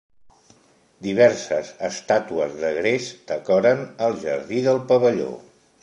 Diverses estàtues de gres decoren el jardí del pavelló.